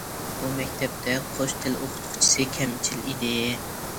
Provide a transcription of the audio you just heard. بۇ مەكتەپتە« قوش تىل» ئوقۇتقۇچىسى كەمچىل ئىدى.